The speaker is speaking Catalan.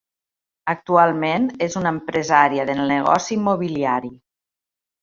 Actualment és una empresària del negoci immobiliari.